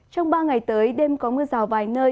trong ba ngày tới đêm có mưa rào vài nơi